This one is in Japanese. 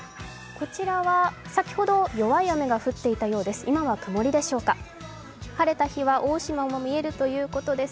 こちらは先ほど、弱い雨が降っていたようです。